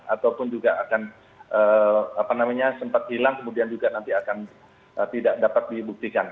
ataupun juga akan sempat hilang kemudian juga nanti akan tidak dapat dibuktikan